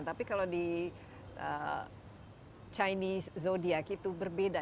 tapi kalau di chinese zodiac itu berbeda